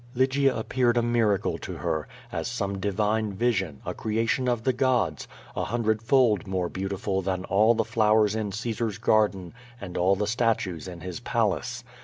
*' Lygia appeared a miracle to her, as some divine vision, a creation of the gods, a hundredfold more beautiful than all the flowers in Caesar's garden and all the statues in his palace.